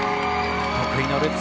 得意のルッツ